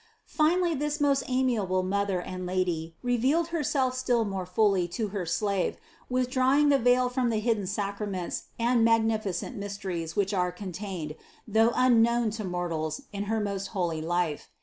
Finally this our most amiable Mother and Lady revealed Herself still more fully to her slave, with drawing the veil from the hidden sacraments and mag nificent mysteries which are contained, though unknown to mortals, in her most holy life.